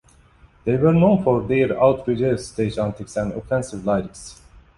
They were known for their outrageous stage antics and offensive lyrics.